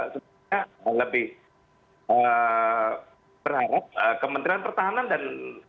sebenarnya lebih berharap kementerian pertahanan dan